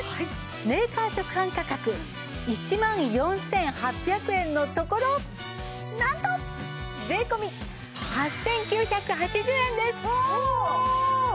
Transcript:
メーカー直販価格１万４８００円のところなんと税込８９８０円です！おおーっ！